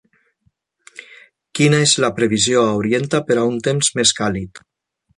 quina és la previsió a Orienta per a un temps més càlid